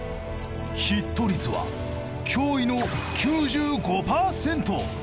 ヒット率は驚異の９５％。